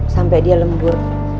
sampai dia lembur